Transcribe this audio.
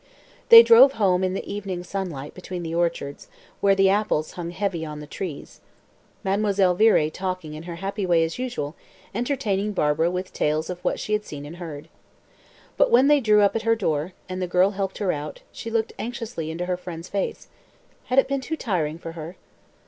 They drove home in the evening sunlight between the orchards, where the apples hung heavy on the trees, Mademoiselle Viré talking in her happy way as usual, entertaining Barbara with tales of what she had seen and heard. But when they drew up at her door, and the girl helped her out, she looked anxiously into her friend's face. Had it been too tiring for her?